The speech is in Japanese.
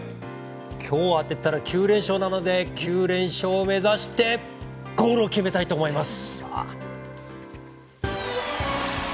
今日当てたら９連勝なので、９連勝目指してゴールを決めたいと思います。